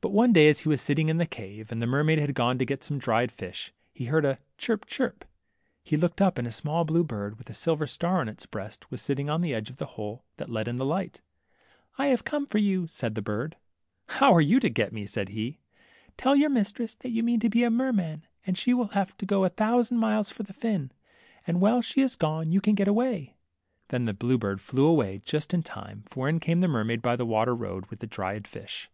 But one day as he was sitting in the cave, and the mermaid had gone to get some dried fish, he heard a chirp chirp. He looked up, and a small, blue bird, with a silver star on its breast, was sitting on the edge of the hole that let in the light. have come for you," said the bird. How are you to get me ?" said he. Tell your mistress that you mean to be a mer man, and she will have to go a thousand miles for the fin, and while she is gone you can get away." Then the blue bird flew aiway, just in time ; for in came the mermaid by the water road, with the dried fish.